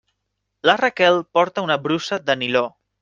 La Raquel porta una brusa de niló.